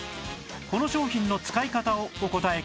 この商品の使い方をお答えください